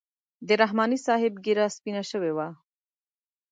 د رحماني صاحب ږیره سپینه شوې وه.